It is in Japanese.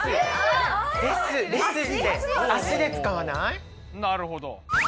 なるほど。